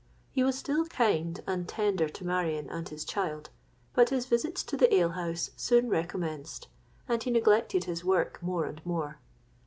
He was still kind and tender to Marion and his child; but his visits to the ale house soon re commenced, and he neglected his work more and more.